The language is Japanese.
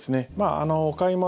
お買い物